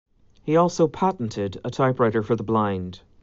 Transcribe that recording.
He also patented a typewriter for the blind.